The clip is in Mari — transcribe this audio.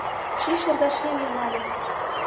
Ший шергашем йомале.